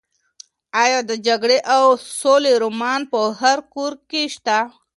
ایا د جګړې او سولې رومان په هر کور کې شته؟